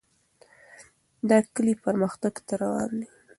دا کلی پرمختګ ته روان دی.